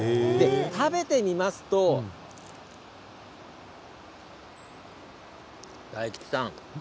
食べてみますと、大吉さん。